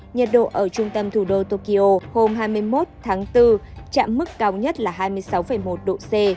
nhiệt độ ở trung tâm thủ đô tokyo hôm hai mươi một tháng bốn chạm mức cao nhất là hai mươi sáu một độ c